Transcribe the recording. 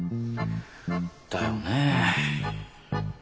だよね。